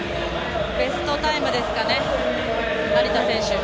ベストタイムですかね成田選手。